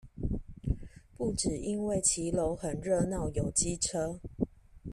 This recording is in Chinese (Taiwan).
不只因為騎樓很熱鬧有機車